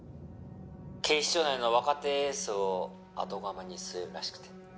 「警視庁内の若手エースを後釜に据えるらしくて」